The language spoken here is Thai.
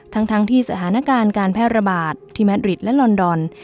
ทั้งที่สถานการณ์การแพร่ระบาดที่แมทริดและลอนดอน